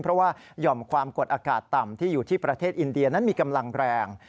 เพราะว่าหย่อมความกดอากาศต่ำที่อยู่ที่ประเทศอินเดียนั้นมีกำลังแรง